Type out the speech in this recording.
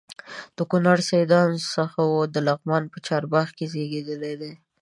د کونړ له سیدانو څخه و د لغمان په چارباغ کې زیږېدلی دی.